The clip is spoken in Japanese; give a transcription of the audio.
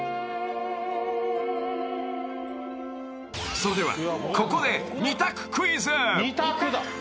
［それではここで２択クイズ］